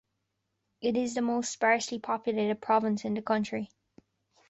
It is the most sparsely populated province in the country.